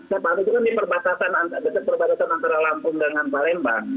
tempat itu kan di perbatasan antara lampung dengan palembang